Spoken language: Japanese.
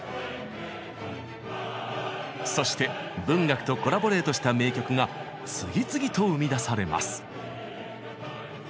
そして文学とコラボレートした名曲が次々と生み出されます。